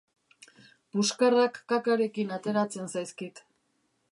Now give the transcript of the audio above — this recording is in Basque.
Puskarrak kakarekin ateratzen zaizkit.